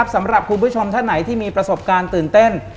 สำหรับคุณผู้ชมท่านไหนที่มีประสบการณ์ตื่นเต้น